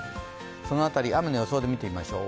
その辺り、雨の予想で見ていきましょう。